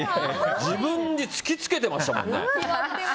自分に突き付けてましたもんね。